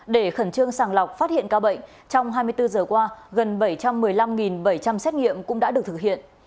để khẩn trương sàng lọc phát hiện ca bệnh trong hai mươi bốn giờ qua gần bảy trăm một mươi năm bảy trăm linh xét nghiệm cũng đã được thực hiện